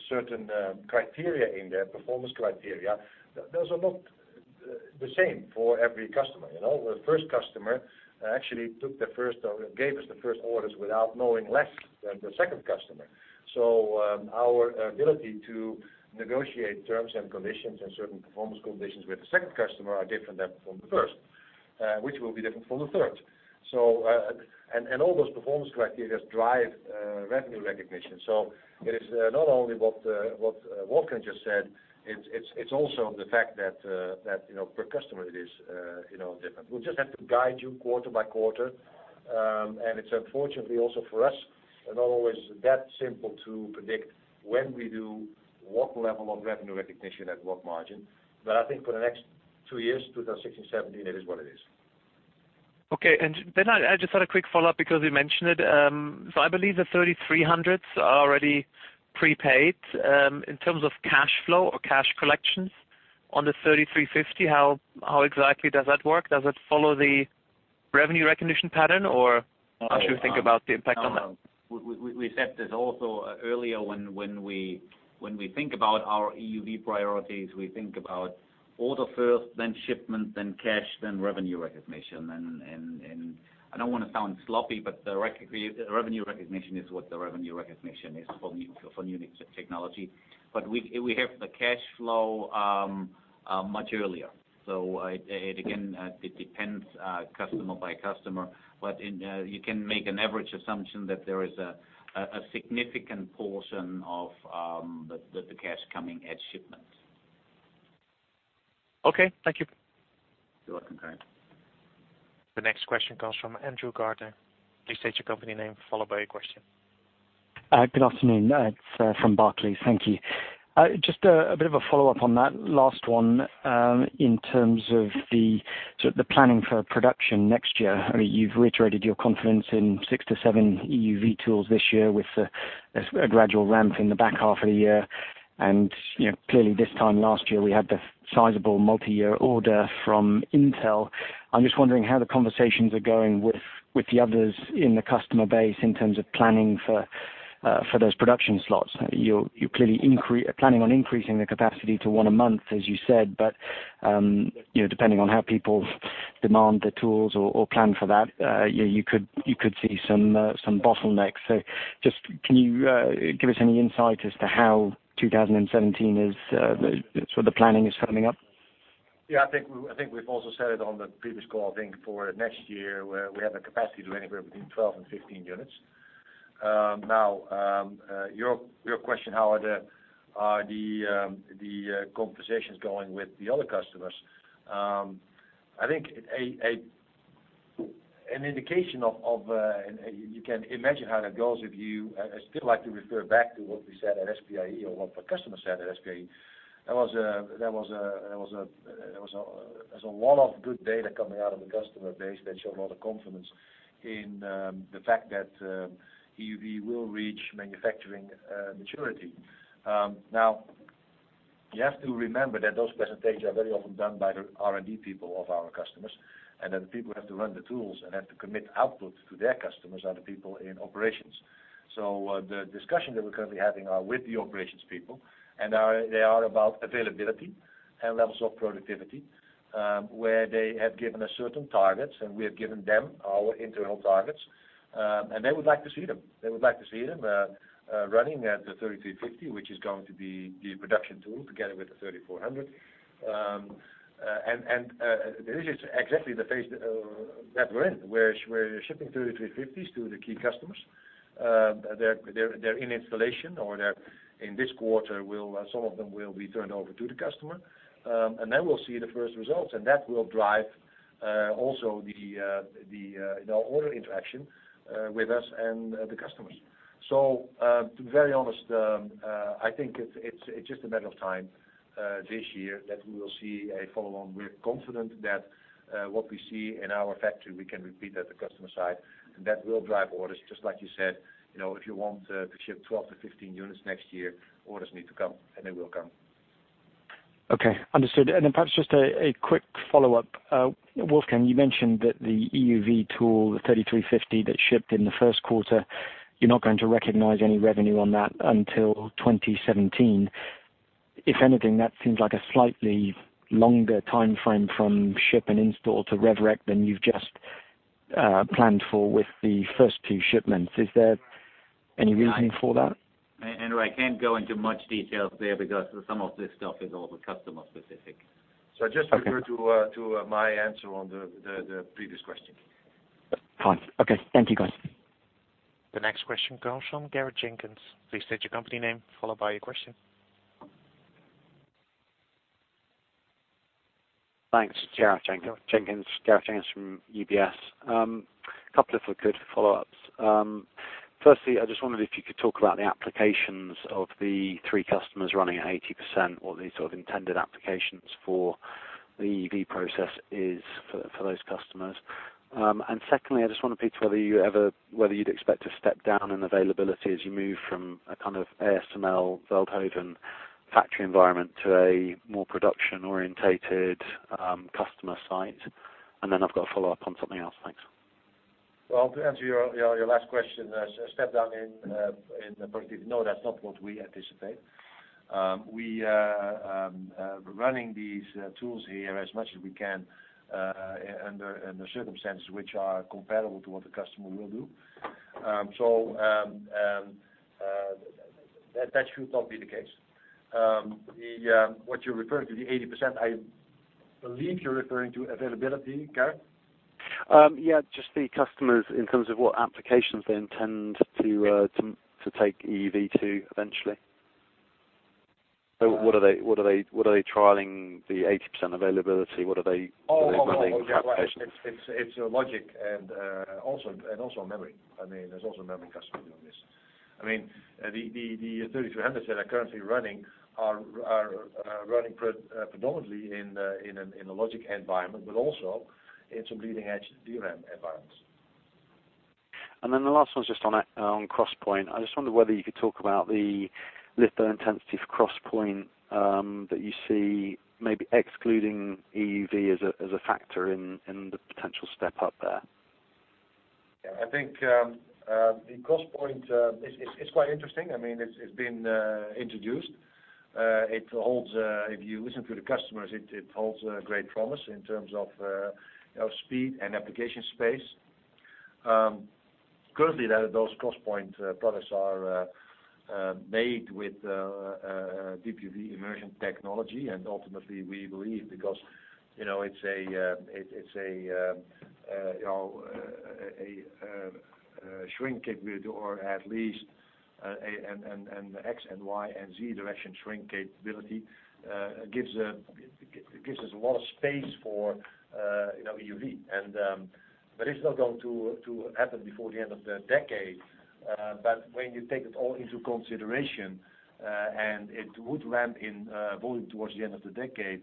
certain criteria in there, performance criteria, those are not the same for every customer. The first customer actually gave us the first orders without knowing less than the second customer. Our ability to negotiate terms and conditions and certain performance conditions with the second customer are different than from the first, which will be different from the third. All those performance criterias drive revenue recognition. It is not only what Wolfgang just said, it's also the fact that per customer it is different. We'll just have to guide you quarter by quarter. It's unfortunately also for us, not always that simple to predict when we do what level of revenue recognition at what margin. I think for the next two years, 2016, 2017, it is what it is. Okay. Then I just had a quick follow-up because you mentioned it. I believe the 3300s are already prepaid. In terms of cash flow or cash collections on the 3350, how exactly does that work? Does it follow the revenue recognition pattern, or how should we think about the impact on that? No. We said this also earlier, when we think about our EUV priorities, we think about order first, then shipment, then cash, then revenue recognition. I don't want to sound sloppy, the revenue recognition is what the revenue recognition is for new technology. We have the cash flow much earlier. Again, it depends customer by customer. You can make an average assumption that there is a significant portion of the cash coming at shipment. Okay. Thank you. You're welcome, Kai. The next question comes from Andrew Gardiner. Please state your company name, followed by your question. Good afternoon. It is from Barclays. Thank you. A bit of a follow-up on that last one in terms of the planning for production next year. You've reiterated your confidence in six to seven EUV tools this year with a gradual ramp in the back half of the year. Clearly, this time last year, we had the sizable multi-year order from Intel. How the conversations are going with the others in the customer base in terms of planning for those production slots. You're clearly planning on increasing the capacity to one a month, as you said. Depending on how people demand the tools or plan for that, you could see some bottlenecks. Can you give us any insight as to how 2017, the planning is firming up? I think we've also said it on the previous call. I think for next year, we have the capacity to anywhere between 12 and 15 units. Your question, how are the conversations going with the other customers? I think an indication of, you can imagine how that goes. I still like to refer back to what we said at SPIE or what the customer said at SPIE. There was a lot of good data coming out of the customer base that showed a lot of confidence in the fact that EUV will reach manufacturing maturity. You have to remember that those presentations are very often done by the R&D people of our customers, and that the people who have to run the tools and have to commit output to their customers are the people in operations. The discussions that we're currently having are with the operations people, and they are about availability and levels of productivity. Where they have given us certain targets, and we have given them our internal targets, and they would like to see them. They would like to see them running at the 3350, which is going to be the production tool together with the 3400. This is exactly the phase that we're in, where we're shipping 3350s to the key customers. They're in installation, or in this quarter, some of them will be turned over to the customer. We'll see the first results, and that will drive also the order interaction with us and the customers. To be very honest, I think it's just a matter of time this year that we will see a follow-on. We're confident that what we see in our factory, we can repeat at the customer side, and that will drive orders, just like you said. If you want to ship 12 to 15 units next year, orders need to come, and they will come. Okay. Understood. Perhaps just a quick follow-up. Wolfgang, you mentioned that the EUV tool, the 3350 that shipped in the first quarter, you're not going to recognize any revenue on that until 2017. If anything, that seems like a slightly longer timeframe from ship and install to rev rec than you've just planned for with the first two shipments. Is there any reasoning for that? Andrew, I can't go into much details there because some of this stuff is also customer specific. Just refer to my answer on the previous question. Fine. Okay. Thank you, guys. The next question comes from Gareth Jenkins. Please state your company name, followed by your question. Thanks. It's Gareth Jenkins from UBS. Couple of good follow-ups. Firstly, I just wondered if you could talk about the applications of the three customers running at 80%, what the sort of intended applications for the EUV process is for those customers. Secondly, I just wonder, Peter, whether you'd expect to step down in availability as you move from an ASML Veldhoven factory environment to a more production-orientated customer site. Then I've got a follow-up on something else. Thanks. Well, to answer your last question, step down in productivity, no, that's not what we anticipate. We are running these tools here as much as we can under circumstances which are comparable to what the customer will do. That should not be the case. What you're referring to, the 80%, I believe you're referring to availability, Gareth? Yeah, just the customers in terms of what applications they intend to take EUV to eventually. What are they trialing the 80% availability? What are they running for applications? Oh, yeah. It's logic and also memory. There's also a memory customer doing this. The 3300s that are currently running are running predominantly in a logic environment, but also in some leading-edge DRAM environments. Then the last one's just on XPoint. I just wonder whether you could talk about the litho intensity for XPoint that you see, maybe excluding EUV as a factor in the potential step up there. Yeah, I think the XPoint, it's quite interesting. It's been introduced. If you listen to the customers, it holds great promise in terms of speed and application space. Currently, those XPoint products are made with Deep UV immersion technology, and ultimately, we believe because it's a shrink capability, or at least X and Y and Z direction shrink capability gives us a lot of space for EUV. It's not going to happen before the end of the decade. When you take it all into consideration, and it would ramp in volume towards the end of the decade,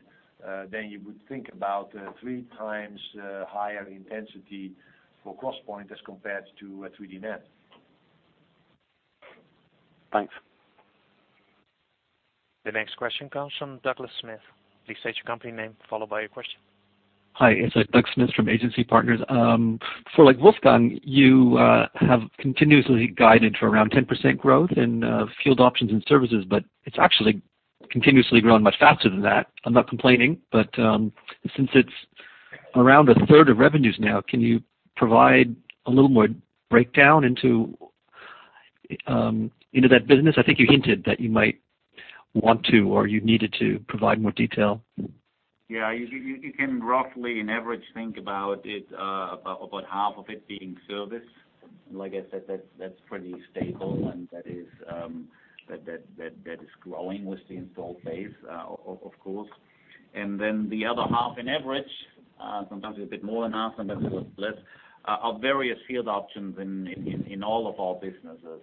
then you would think about three times higher intensity for XPoint as compared to 3D NAND. Thanks. The next question comes from Douglas Smith. Please state your company name, followed by your question. Hi, it's Doug Smith from Agency Partners. For Wolfgang, you have continuously guided for around 10% growth in field options and services, it's actually continuously grown much faster than that. I'm not complaining, but since it's around a third of revenues now, can you provide a little more breakdown into that business? I think you hinted that you might want to, or you needed to provide more detail. You can roughly, in average, think about half of it being service. Like I said, that's pretty stable, and that is growing with the installed base, of course. The other half in average, sometimes it's a bit more than half, sometimes it's less, are various field options in all of our businesses.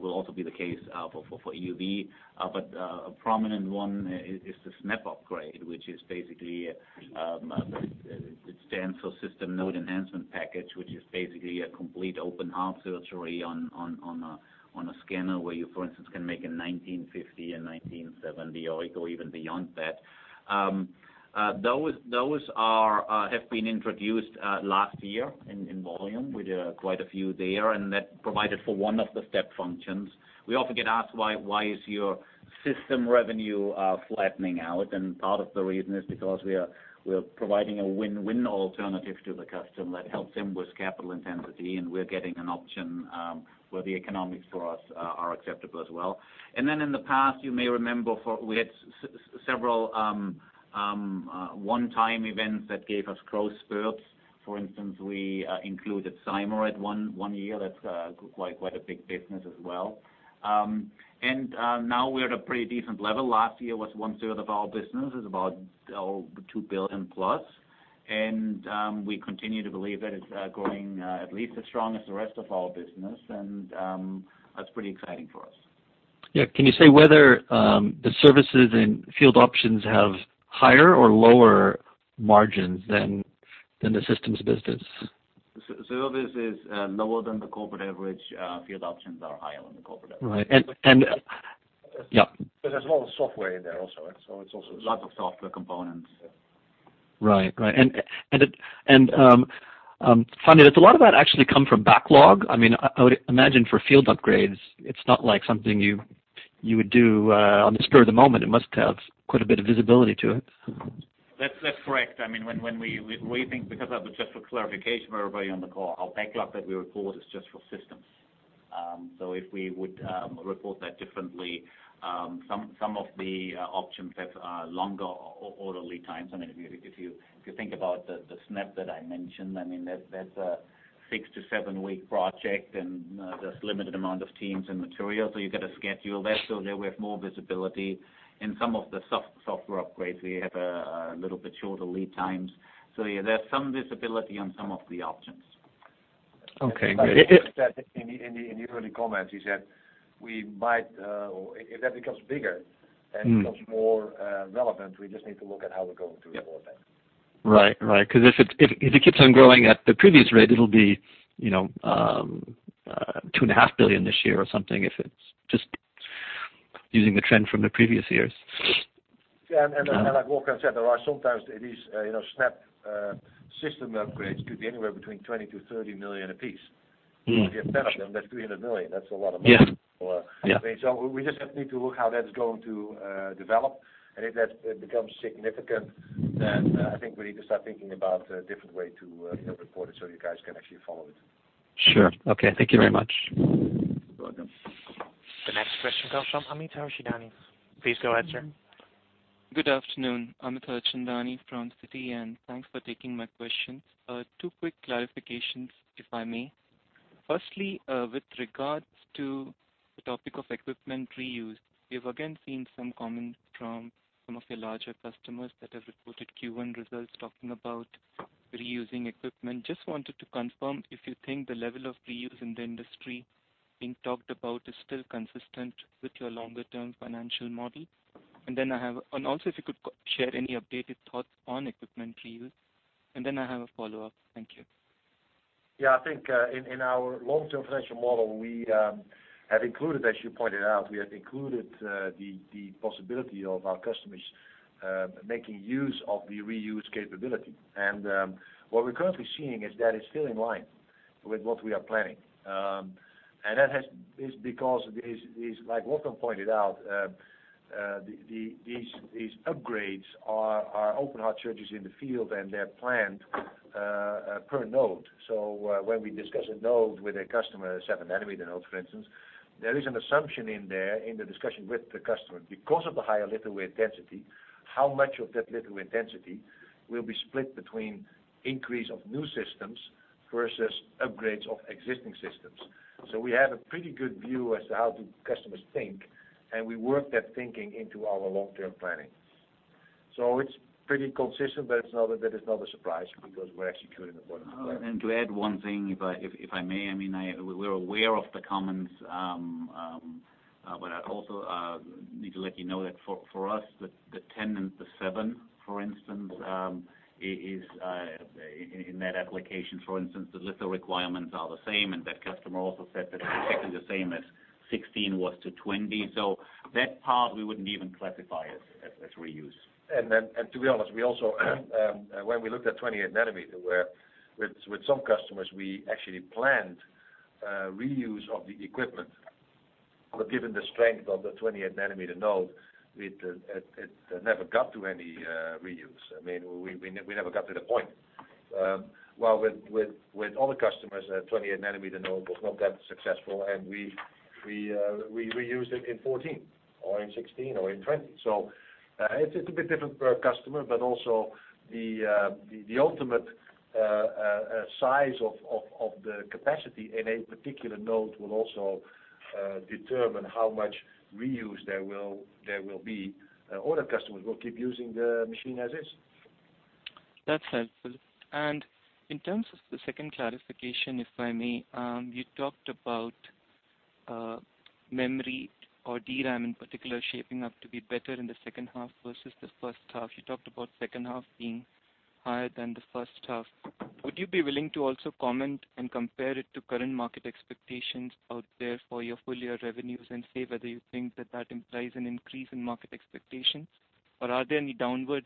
Will also be the case for EUV. A prominent one is the SNAP upgrade, it stands for System Node Enhancement Package, which is basically a complete open heart surgery on a scanner where you, for instance, can make a 1950, a 1970 or go even beyond that. Those have been introduced last year in volume. We did quite a few there, and that provided for one of the step functions. We often get asked, "Why is your system revenue flattening out?" Part of the reason is because we are providing a win-win alternative to the customer that helps him with capital intensity, and we're getting an option where the economics for us are acceptable as well. In the past, you may remember, we had several one-time events that gave us growth spurts. For instance, we included Cymer at one year. That's quite a big business as well. Now we're at a pretty decent level. Last year was one third of our business. It's about 2 billion-plus, and we continue to believe that it's growing at least as strong as the rest of our business. That's pretty exciting for us. Can you say whether the services and field options have higher or lower margins than the systems business? Service is lower than the corporate average. Field options are higher than the corporate average. Right. Yeah. There's a lot of software in there also. Lots of software components. Finally, does a lot of that actually come from backlog? I would imagine for field upgrades, it's not like something you would do on the spur of the moment. It must have quite a bit of visibility to it. That's correct. Just for clarification for everybody on the call, our backlog that we report is just for systems. If we would report that differently, some of the options have longer order lead times. If you think about the SNAP that I mentioned, that's a 6 to 7-week project, and there's limited amount of teams and material, you got to schedule that. There we have more visibility. In some of the software upgrades, we have a little bit shorter lead times. Yeah, there's some visibility on some of the options. Okay, great. In the early comments, he said, if that becomes bigger and becomes more relevant, we just need to look at how we're going to report that. Right. Because if it keeps on growing at the previous rate, it will be 2.5 billion this year or something, just using the trend from the previous years. Yeah, like Wolfgang said, there are some times these SNAP system upgrades could be anywhere between 20 million to 30 million a piece. If you have 10 of them, that is 300 million. That is a lot of money. Yeah. We just need to look how that is going to develop. If that becomes significant, I think we need to start thinking about a different way to report it so you guys can actually follow it. Sure. Okay. Thank you very much. You're welcome. The next question comes from Amit Harchandani. Please go ahead, sir. Good afternoon. Amit Harchandani from Citi, and thanks for taking my question. Two quick clarifications, if I may. Firstly, with regards to the topic of equipment reuse, we have again seen some comments from some of your larger customers that have reported Q1 results talking about reusing equipment. Just wanted to confirm if you think the level of reuse in the industry being talked about is still consistent with your longer-term financial model. Also, if you could share any updated thoughts on equipment reuse, and then I have a follow-up. Thank you. Yeah, I think, in our long-term financial model, as you pointed out, we have included the possibility of our customers making use of the reuse capability. What we're currently seeing is that it's still in line with what we are planning. That is because, like Wolfgang pointed out, these upgrades are open heart surgeries in the field, and they're planned per node. When we discuss a node with a customer, 7 nm nodes, for instance, there is an assumption in there in the discussion with the customer, because of the higher litho intensity, how much of that litho intensity will be split between increase of new systems versus upgrades of existing systems. We have a pretty good view as to how the customers think, and we work that thinking into our long-term planning. It's pretty consistent, but that is not a surprise because we're executing according to plan. To add one thing, if I may. We're aware of the comments, but I'd also need to let you know that for us, the 10 and the 7, for instance, in that application, for instance, the litho requirements are the same, and that customer also said that it's actually the same as 16 was to 20. That part, we wouldn't even classify as reuse. To be honest, when we looked at 28 nanometer, where with some customers, we actually planned reuse of the equipment. Given the strength of the 28 nanometer node, it never got to any reuse. We never got to the point. While with other customers, the 28 nanometer node was not that successful, and we reused it in 14, or in 16, or in 20. It's a bit different per customer, but also the ultimate size of the capacity in a particular node will also determine how much reuse there will be. Other customers will keep using the machine as is. That's helpful. In terms of the second clarification, if I may, you talked about memory or DRAM in particular shaping up to be better in the second half versus the first half. You talked about the second half being higher than the first half. Would you be willing to also comment and compare it to current market expectations out there for your full-year revenues and say whether you think that that implies an increase in market expectations? Or are there any downward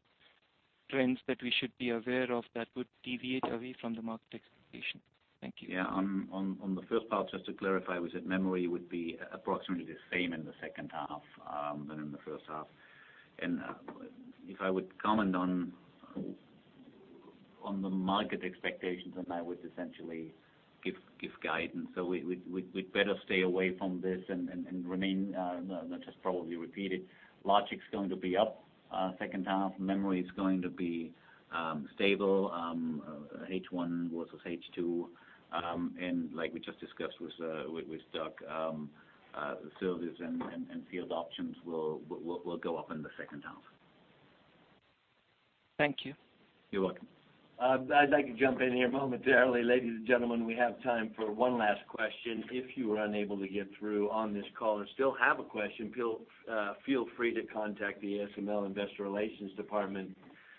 trends that we should be aware of that would deviate away from the market expectation? Thank you. On the first part, just to clarify, we said memory would be approximately the same in the second half than in the first half. If I would comment on the market expectations, then I would essentially give guidance. We'd better stay away from this and remain, let's just probably repeat it. Logic's going to be up second half. Memory is going to be stable. H1 versus H2, and like we just discussed with Doug, services and field options will go up in the second half. Thank you. You're welcome. I'd like to jump in here momentarily. Ladies and gentlemen, we have time for one last question. If you were unable to get through on this call and still have a question, feel free to contact the ASML investor relations department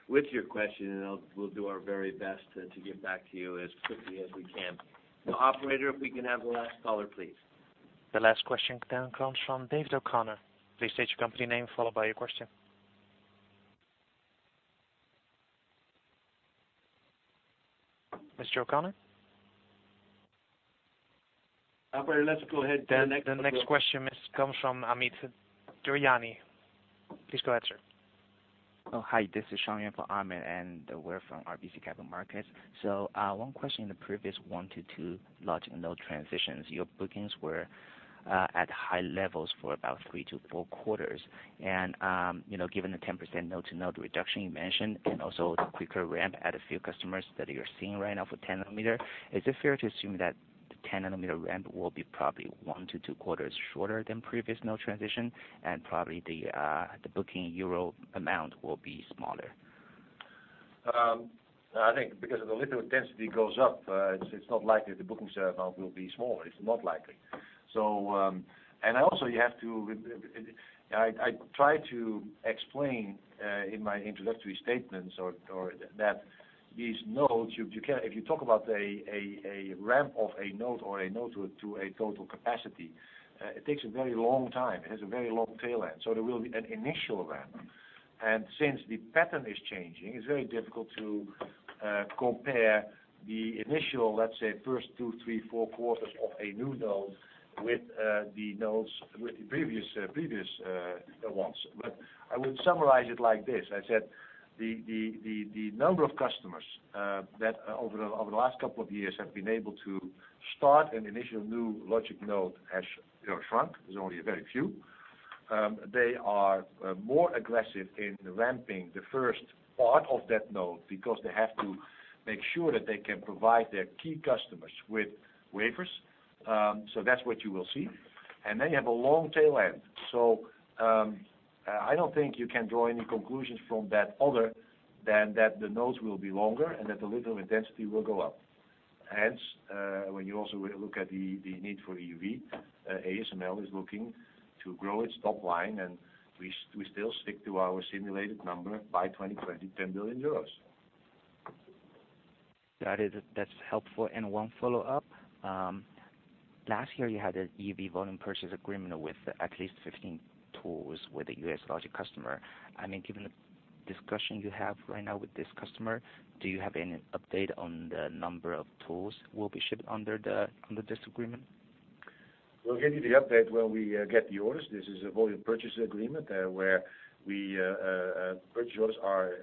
with your question, and we'll do our very best to get back to you as quickly as we can. Operator, if we can have the last caller, please. The last question comes from David O'Connor. Please state your company name, followed by your question. Mr. O'Connor? Operator, let's go ahead to the next- The next question comes from Amit Daryanani. Please go ahead, sir. Hi, this is Shaun here for Amit, we're from RBC Capital Markets. One question. In the previous one to two logic node transitions, your bookings were at high levels for about three to four quarters. Given the 10% node-to-node reduction you mentioned and also the quicker ramp at a few customers that you're seeing right now for 10 nanometer, is it fair to assume that the 10 nanometer ramp will be probably one to two quarters shorter than previous node transition, and probably the booking EUR amount will be smaller? I think because the litho density goes up, it's not likely the booking amount will be smaller. It's not likely. I tried to explain in my introductory statements that these nodes, if you talk about a ramp of a node or a node to a total capacity, it takes a very long time. It has a very long tail end. There will be an initial ramp. Since the pattern is changing, it's very difficult to compare the initial, let's say, first two, three, four quarters of a new node with the nodes with the previous ones. I would summarize it like this. I said the number of customers that over the last couple of years have been able to start an initial new logic node has shrunk. There's only a very few. They are more aggressive in ramping the first part of that node because they have to make sure that they can provide their key customers with wafers. That's what you will see. Then you have a long tail end. I don't think you can draw any conclusions from that other than that the nodes will be longer and that the litho intensity will go up. Hence, when you also look at the need for EUV, ASML is looking to grow its top line, and we still stick to our simulated number by 2020, 10 billion euros. That's helpful. One follow-up. Last year, you had an EUV volume purchase agreement with at least 15 tools with a U.S. logic customer. Given the discussion you have right now with this customer, do you have any update on the number of tools will be shipped under this agreement? We'll give you the update when we get the orders. This is a volume purchase agreement where purchase orders are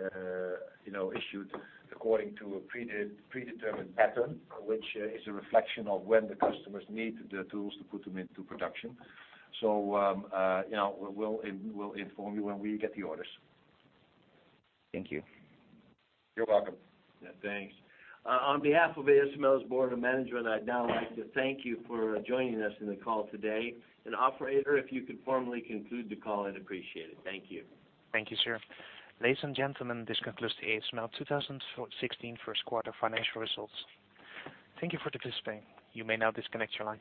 issued according to a predetermined pattern, which is a reflection of when the customers need the tools to put them into production. We'll inform you when we get the orders. Thank you. You're welcome. Thanks. On behalf of ASML's Board of Management, I'd now like to thank you for joining us on the call today. Operator, if you could formally conclude the call, I'd appreciate it. Thank you. Thank you, sir. Ladies and gentlemen, this concludes the ASML 2016 first quarter financial results. Thank you for participating. You may now disconnect your line.